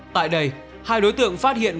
tại đây hai đối tượng phát hiện